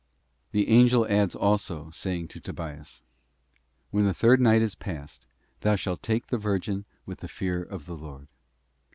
The angel adds also, saying to Tobias, 'When the third night is passed, thou shalt take the virgin with the fear of the Lord.